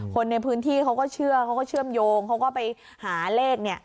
คนในพื้นที่เขาก็เชื่อเขาก็เชื่อมโยงเขาก็ไปหาเลขเนี่ย